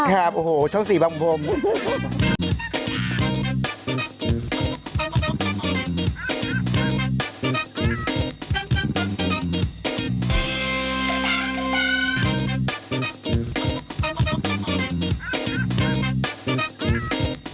ครับโอ้โฮช่องสี่บังพงษ์